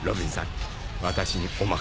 私にお任せを。